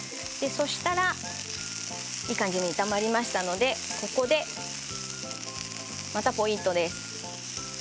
そしたらいい感じに炒まりましたのでここでまたポイントです。